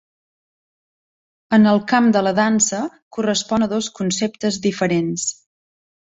En el camp de la dansa correspon a dos conceptes diferents.